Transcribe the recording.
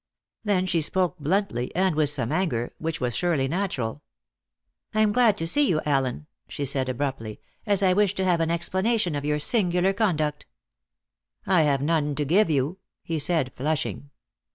Then she spoke bluntly, and with some anger, which was surely natural. "I am glad to see you, Allen," she said abruptly, "as I wish to have an explanation of your singular conduct." "I have none to give you," he said, flushing.